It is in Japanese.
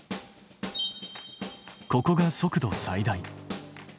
ここが速度最大。